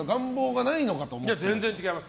全然違います。